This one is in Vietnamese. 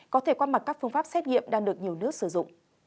có thể qua mặt các phương pháp xét nghiệm đang được nhiều nước sử dụng